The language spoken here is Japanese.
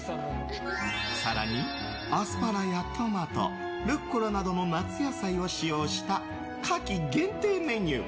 更に、アスパラやトマトルッコラなどの夏野菜を使用した夏季限定メニュー。